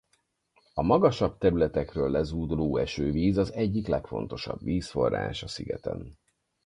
A magasabb területekről lezúduló esővíz az egyik legfontosabb vízforrás a szigeten.